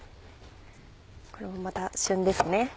これもまた旬ですね。